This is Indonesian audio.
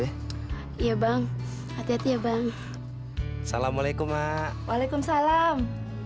iya bang hati hati ya bang salamualaikum waalaikumsalam